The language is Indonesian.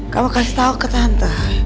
kamu kasih tau ke tante